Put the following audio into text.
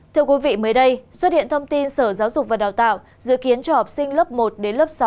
thưa quý vị mới đây xuất hiện thông tin sở giáo dục và đào tạo dự kiến cho học sinh lớp một đến lớp sáu